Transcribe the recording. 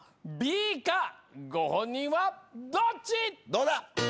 どうだ？